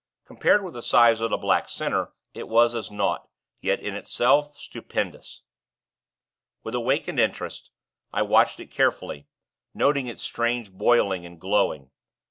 Compared with the size of the black center, it was as naught; yet, in itself, stupendous. With awakened interest, I watched it carefully, noting its strange boiling and glowing.